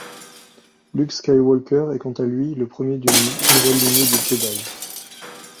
Luke Skywalker est quant à lui le premier d'une nouvelle lignée de Jedi.